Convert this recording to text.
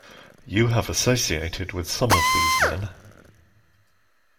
You have associated with some of these men.